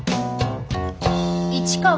市川！